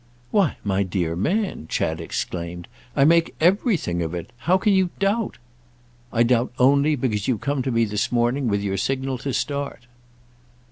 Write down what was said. "Why my dear man," Chad exclaimed, "I make everything of it! How can you doubt—?" "I doubt only because you come to me this morning with your signal to start."